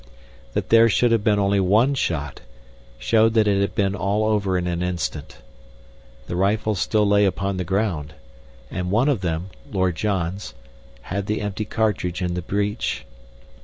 That there should have been only one shot showed that it had been all over in an instant. The rifles still lay upon the ground, and one of them Lord John's had the empty cartridge in the breech.